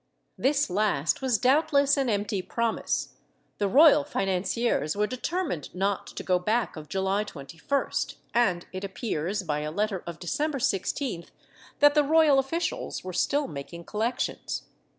This last was doubtless an empty promise; the royal financiers were determined not to go back of July 21st, and it appears, by a letter of December 16th, that the royal officials were still making collections.